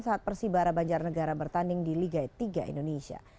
saat persibara banjarnegara bertanding di liga tiga indonesia